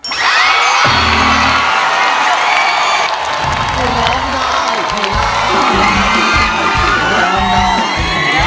คุณร้องได้